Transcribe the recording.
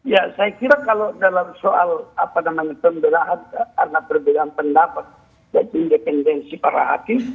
ya saya kira kalau dalam soal pemberahan karena berbeda pendapat dan independensi para hakim